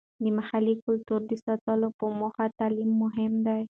د محلي کلتور د ساتلو په موخه تعلیم مهم دی.